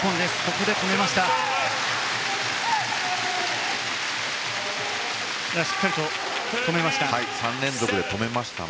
ここで止めました。